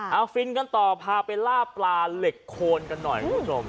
เอาฟินกันต่อพาไปล่าปลาเหล็กโคนกันหน่อยคุณผู้ชม